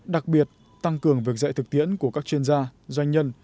đặc biệt tăng cường việc dạy thực tiễn của các chuyên gia doanh nhân